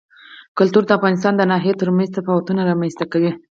کلتور د افغانستان د ناحیو ترمنځ تفاوتونه رامنځ ته کوي.